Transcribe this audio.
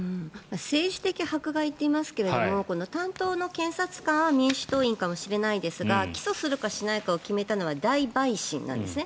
政治的迫害といいますけど担当の検察官は民主党員かもしれませんが起訴するかしないかを決めたのは大陪審なんですね。